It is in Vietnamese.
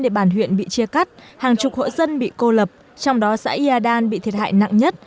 địa bàn huyện bị chia cắt hàng chục hộ dân bị cô lập trong đó xã yà đan bị thiệt hại nặng nhất